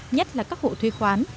nhất là các hộ thuê khoán